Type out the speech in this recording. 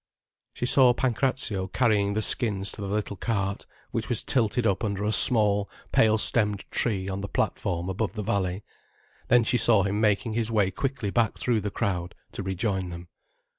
She saw Pancrazio carrying the skins to the little cart, which was tilted up under a small, pale stemmed tree on the platform above the valley. Then she saw him making his way quickly back through the crowd, to rejoin them.